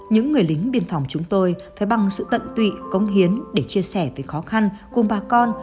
những người lính biên phòng chúng tôi phải bằng sự tận tụy công hiến để chia sẻ về khó khăn cùng bà con